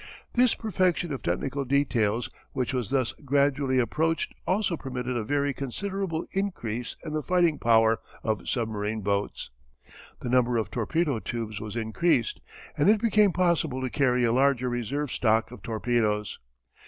This perfection of technical details which was thus gradually approached also permitted a very considerable increase in the fighting power of submarine boats. The number of torpedo tubes was increased and it became possible to carry a larger reserve stock of torpedoes.